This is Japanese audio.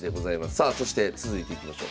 さあそして続いていきましょう。